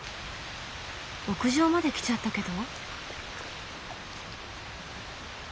屋上まで来ちゃったけど。